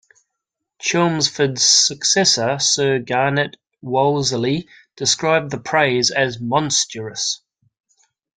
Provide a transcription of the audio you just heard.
Chelmsford's successor, Sir Garnet Wolseley, described the praise as "monstrous".